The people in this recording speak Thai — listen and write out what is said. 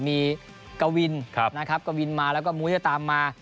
มีกวีนมาแล้วมุฒิวตามมา